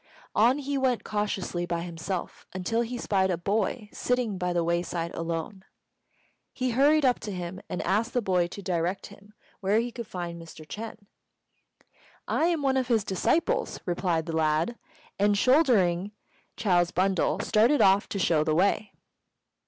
On he went cautiously by himself, until he spied a boy sitting by the wayside alone. He hurried up to him and asked the boy to direct him where he could find Mr. Ch'êng. "I am one of his disciples," replied the lad; and, shouldering Chou's bundle, started off to shew the way.